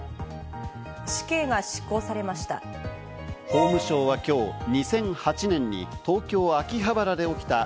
死刑が執行されました。